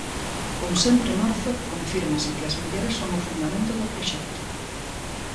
Con 'Sempre Marzo' confírmase que as mulleres son o fundamento do proxecto?